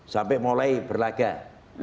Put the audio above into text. sampai mulai berlagak